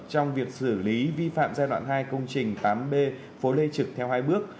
trong việc xử lý vi phạm giai đoạn hai công trình tám b phố lê trực theo hai bước